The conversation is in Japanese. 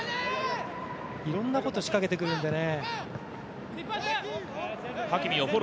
いろいろなこと仕掛けてくるんでね。